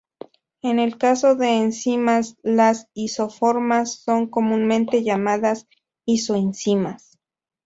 En el caso de enzimas, las isoformas son comúnmente llamadas isoenzimas.